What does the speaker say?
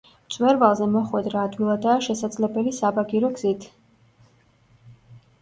მწვერვალზე მოხვედრა ადვილადაა შესაძლებელი საბაგირო გზით.